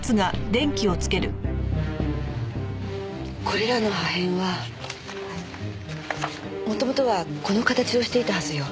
これらの破片は元々はこの形をしていたはずよ。